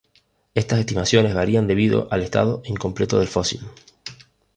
Estas estimaciones varían debido al estado incompleto del fósil.